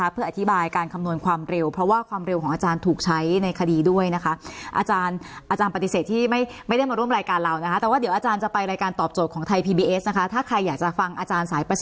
เพื่ออธิบายการคำนวณความเร็วเพราะว่าความเร็วของอาจารย์ถูกใช้ในคดีด้วยนะคะ